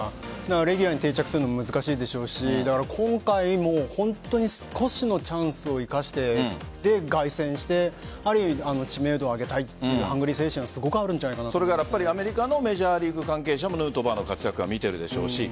レギュラーに定着するのも難しいですし本当に少しのチャンスを生かして凱旋してある意味、知名度を上げたいハングリー精神が、すごくアメリカのメジャーリーグの関係者もヌートバーの活躍を見ているでしょうし